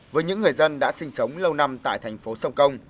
với những người dân đã sinh sống lâu năm tại thành phố sông công